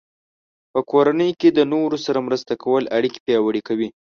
په کورنۍ کې د نورو سره مرسته کول اړیکې پیاوړې کوي.